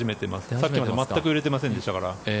さっきまで全く揺れてませんでしたから。